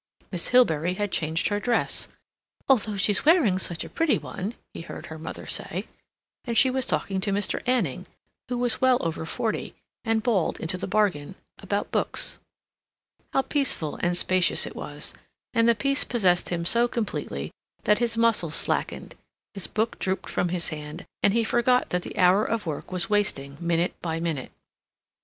Miss Hilbery had changed her dress ("although she's wearing such a pretty one," he heard her mother say), and she was talking to Mr. Anning, who was well over forty, and bald into the bargain, about books. How peaceful and spacious it was; and the peace possessed him so completely that his muscles slackened, his book drooped from his hand, and he forgot that the hour of work was wasting minute by minute.